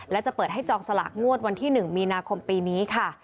และจะเปิดให้จองสลากงวดวันที่๑มีนาคมปีนี้ค่ะ